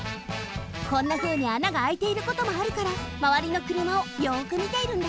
こんなふうにあながあいていることもあるからまわりのくるまをよくみているんだって。